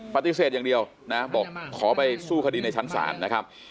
ปฏิเสธอย่างเดียวนะบอกขอไปสู้คดีในชั้นศาลนะครับ